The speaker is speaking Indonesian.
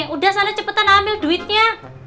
udah sana cepetan ambil duitnya